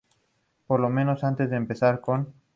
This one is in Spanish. Por lo menos, antes de empezar con.